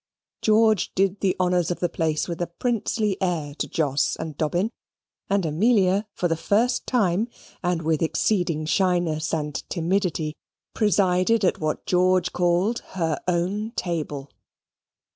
George did the honours of the place with a princely air to Jos and Dobbin; and Amelia, for the first time, and with exceeding shyness and timidity, presided at what George called her own table.